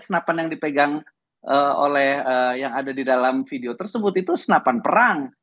senapan yang dipegang oleh yang ada di dalam video tersebut itu senapan perang